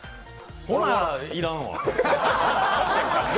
ほな、要らんわ。